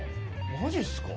マジっすか？